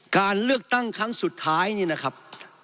การเลือกตั้งครั้งสุดท้ายนี่นะครับ